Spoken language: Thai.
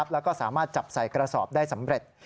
แล้วก็สามารถจับใส่กระสอบได้สำเร็จ